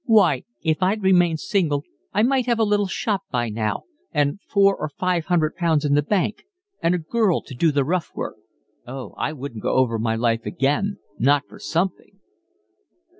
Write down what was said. Why, if I'd remained single I might have a little shop by now, and four or five hundred pounds in the bank, and a girl to do the rough work. Oh, I wouldn't go over my life again, not for something."